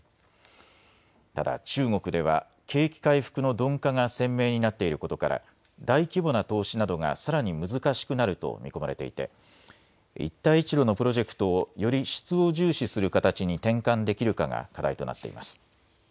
ただ中国では景気回復の鈍化が鮮明になっていることから大規模な投資などがさらに難しくなると見込まれていて一帯一路のプロジェクトをより質を重視する形に転換できるかが課題となっています。